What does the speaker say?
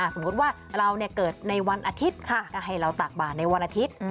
สมมุติว่าเราเกิดในวันอาทิตย์ค่ะก็ให้เราตากบานในวันอาทิตย์